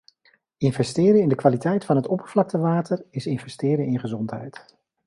Investeren in de kwaliteit van oppervlaktewater is investeren in gezondheid.